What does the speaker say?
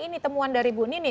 ini temuan dari bunini